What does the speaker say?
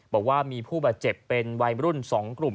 บอกว่ามีผู้บาดเจ็บเป็นวัยรุ่น๒กลุ่ม